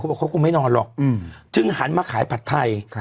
เขาก็บอกว่าไม่นอนรอจึงหันมาขายผัดไทย